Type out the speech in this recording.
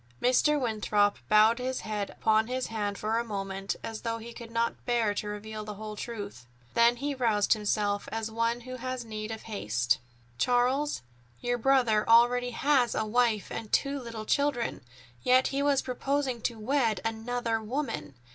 Mr. Winthrop bowed his head upon his hand for a moment, as though he could not bear to reveal the whole truth. Then he roused himself as one who has need of haste. "Charles, your brother already has a wife and two little children, yet he was proposing to wed another woman.